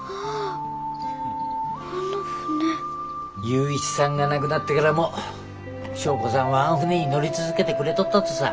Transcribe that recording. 雄一さんが亡くなってからも祥子さんはあん船に乗り続けてくれとったとさ。